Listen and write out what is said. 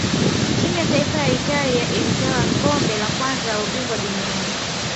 timu ya taifa ya italia ilitwaa kombe la kwanza la ubingwa wa dunia